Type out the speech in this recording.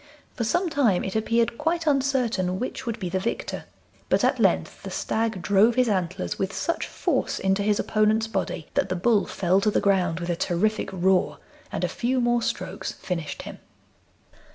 For some time it appeared quite uncertain which would be the victor, but at length the stag drove his antlers with such force into his opponent's body that the bull fell to the ground with a terrific roar, and a few more strokes finished him.